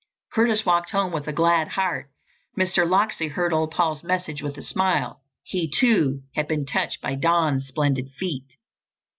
Curtis walked home with a glad heart. Mr. Locksley heard old Paul's message with a smile. He, too, had been touched by Don's splendid feat.